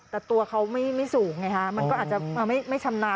แต่ตัวเขาไม่สูงไงฮะมันก็อาจจะไม่ชำนาญ